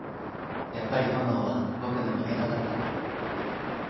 やっぱり炎は僕の味方だった。